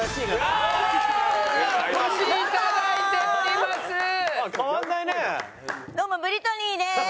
どうもブリトニーです！